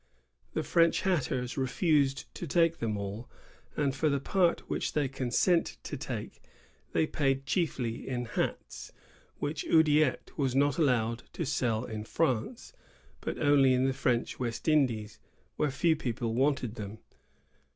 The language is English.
The French hatters refused to take them all; and for the part which they consented to take they paid chiefly in hats, which Oudiette was not allowed to sell in France, but only in the French West Indies, where few people wanted them.